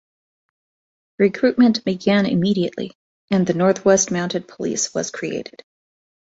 Recruitment began immediately, and the North-West Mounted Police was created.